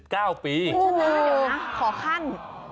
เดี๋ยวนะขอขั้น